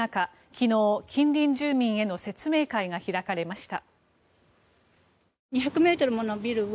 昨日、近隣住民への説明会が開かれました。